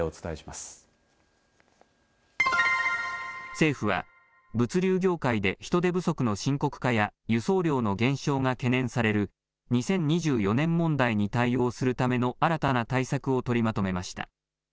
ＡＩによる政府は物流業界で人手不足の深刻化や輸送量の減少が懸念される２０２４年問題に対応するための新たな対策を取りまとめました。